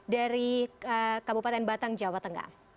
dari kabupaten batang jawa tengah